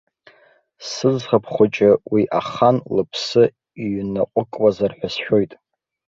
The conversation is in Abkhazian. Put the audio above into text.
Сыӡӷаб хәыҷы уи ахан лыԥсы ҩнаҟәыкуазар ҳәа сшәоит.